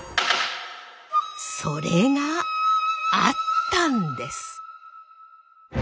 それがあったんです！